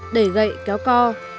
đẩy gậy kéo co